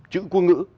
chữ quốc ngữ